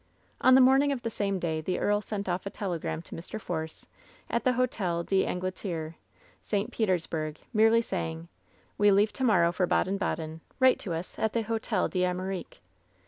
On the morning of the same day the earl sent off a telegram to Mr. Force, at the Hotel d'Angleterre, St. Petersburg, merely saying: "We leave to morrow for Baden Baden. Write to us at the Hotel d'Amerique.''